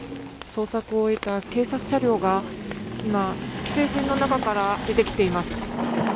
捜索を終えた警察車両が今、規制線の中から出てきています。